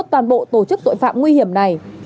toàn bộ tổ chức tội phạm nguy hiểm này